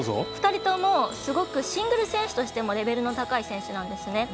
２人ともすごくシングル選手としてもレベルの高い選手なんですね。